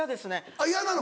あっ嫌なの。